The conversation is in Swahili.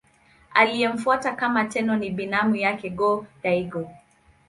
Aliyemfuata kama Tenno ni binamu yake Go-Daigo.